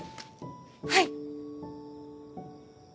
はい。